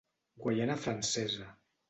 Guaiana Francesa.